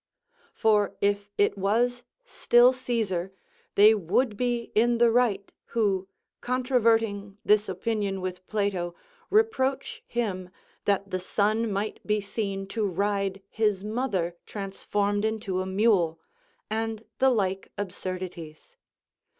For if it was still Cæsar, they would be in the right who, controverting this opinion with Plato, reproach him that the son might be seen to ride his mother transformed into a mule, and the like absurdities.